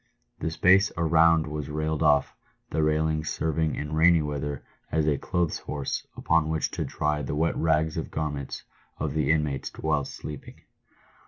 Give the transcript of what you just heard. The space around was railed off, the railings serving in rainy weather as a clothes horse upon which to dry the wet rags of garments of the inmates whilst sleeping.